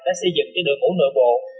đã xây dựng cho đội ngũ nội bộ